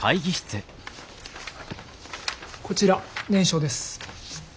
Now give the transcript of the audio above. こちら念書です。